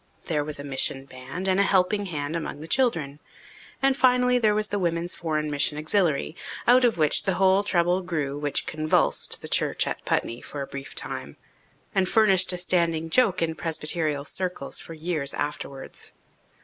There was a Mission Band and a Helping Hand among the children. And finally there was the Women's Foreign Mission Auxiliary, out of which the whole trouble grew which convulsed the church at Putney for a brief time and furnished a standing joke in presbyterial circles for years afterwards.